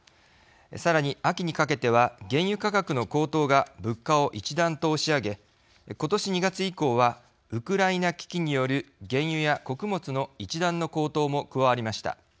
さらに、秋にかけては原油価格の高騰が物価を一段と押し上げことし２月以降はウクライナ危機による原油や穀物の一段の高騰も加わりました。